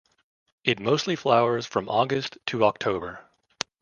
It mostly flowers from August to October.